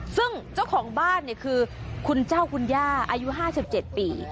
ซึ่งเจ้าของบ้านคือคุณเจ้าคุณย่าอายุ๕๗ปี